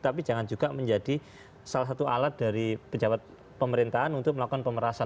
tapi jangan juga menjadi salah satu alat dari pejabat pemerintahan untuk melakukan pemerasan